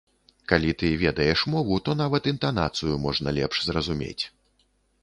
Калі ты ведаеш мову, то нават інтанацыю можна лепш зразумець.